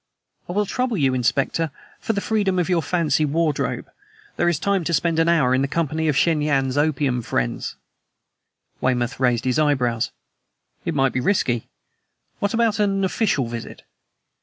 "I will trouble you, Inspector, for the freedom of your fancy wardrobe. There is time to spend an hour in the company of Shen Yan's opium friends." Weymouth raised his eyebrows. "It might be risky. What about an official visit?"